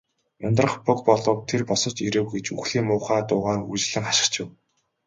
"Ундрах буг болов. Тэр босож ирэв" гэж үхлийн муухай дуугаар үргэлжлэн хашхичив.